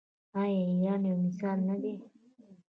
آیا ایران یو مثال نه دی؟